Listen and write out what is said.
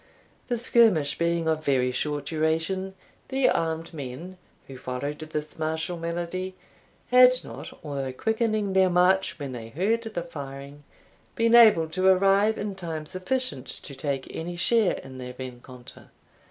The skirmish being of very short duration, the armed men who followed this martial melody, had not, although quickening their march when they heard the firing, been able to arrive in time sufficient to take any share in the rencontre.